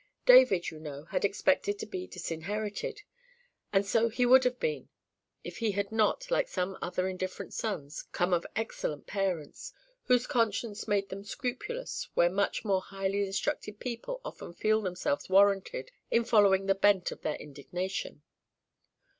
David, you know, had expected to be disinherited; and so he would have been, if he had not, like some other indifferent sons, come of excellent parents, whose conscience made them scrupulous where much more highly instructed people often feel themselves warranted in following the bent of their indignation.